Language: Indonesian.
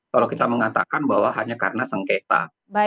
kalau kita mengatakan bahwa hanya karena sengketa